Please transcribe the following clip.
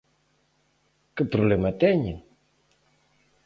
¿Que problema teñen?